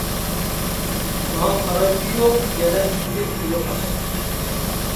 ماڭا قارايتتى-يۇ، يەنە ئىتتىك ئېلىپ قاچاتتى.